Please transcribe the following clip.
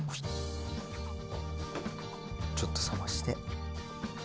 ちょっと冷まして。